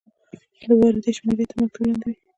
د واردې شمیره تر مکتوب لاندې وي.